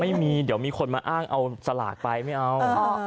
ไม่มีเดี๋ยวมีคนมาอ้างเอาสลากไปไม่เอา